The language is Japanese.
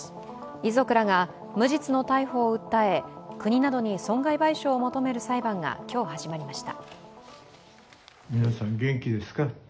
遺族らが無実の逮捕を訴え、国などに損害賠償を求める裁判が今日、始まりました。